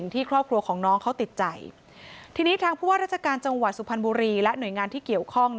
ที่นี่ทางผู้ว่าราชการจังหวัดสุพรรณบุรีและหน่วยงานที่เกี่ยวข้อง